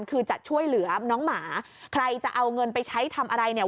คือจะช่วยเหลือน้องหมาใครจะเอาเงินไปใช้ทำอะไรเนี่ย